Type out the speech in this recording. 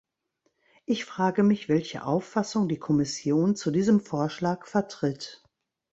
Ich frage mich, welche Auffassung die Kommission zu diesem Vorschlag vertritt.